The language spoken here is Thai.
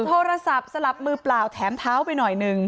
โทรศัพท์สลับมือเปล่าแถมเท้าไปหน่อยหนึ่ง